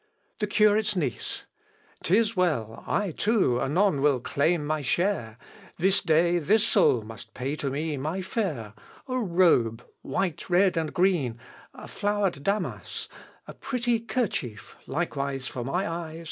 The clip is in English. THE CURATE'S NIECE. Tis well: I, too, anon will claim my share. This day this soul must pay to me my fare A robe, white, red, and green, a flowered damas, A pretty kerchief likewise for my eyes at mass.